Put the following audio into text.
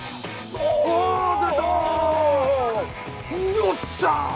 よっしゃ！